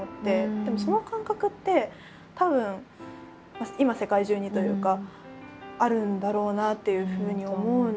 でもその感覚ってたぶん今世界中にというかあるんだろうなっていうふうに思うので。